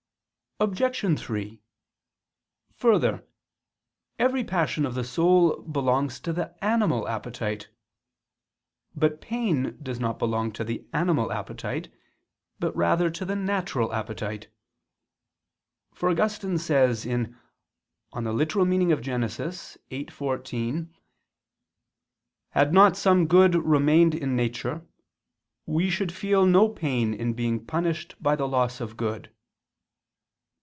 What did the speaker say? Obj. 3: Further, every passion of the soul belongs to the animal appetite. But pain does not belong to the animal appetite, but rather to the natural appetite; for Augustine says (Gen. ad lit. viii, 14): "Had not some good remained in nature, we should feel no pain in being punished by the loss of good."